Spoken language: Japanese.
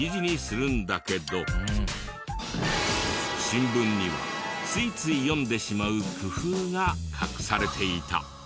新聞にはついつい読んでしまう工夫が隠されていた。